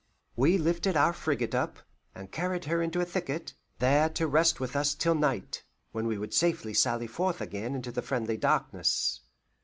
We lifted our frigate up, and carried her into a thicket, there to rest with us till night, when we would sally forth again into the friendly darkness.